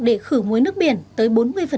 để khử muối nước biển tới bốn mươi